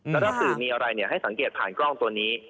แล้วถ้าสื่อมีอะไรให้สังเกตผ่านกล้องตัวนี้